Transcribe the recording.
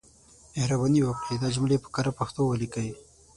مهرباني وکړئ دا جملې په کره پښتو ليکئ.